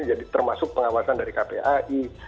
jadi termasuk pengawasan dari kpai